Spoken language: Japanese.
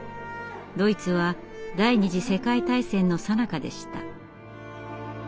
ドイツは第二次世界大戦のさなかでした。